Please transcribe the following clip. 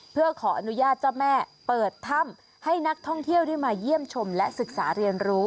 เพื่อขออนุญาตเจ้าแม่เปิดถ้ำให้นักท่องเที่ยวได้มาเยี่ยมชมและศึกษาเรียนรู้